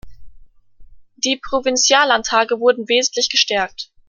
Die Provinziallandtage wurden wesentlich gestärkt.